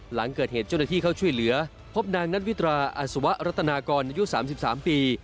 หลังเกิดเหตุเจ้าหน้าที่เข้าช่วยเหลือพบนางนัทวิตราอัศวะรัตนากรอายุ๓๓ปี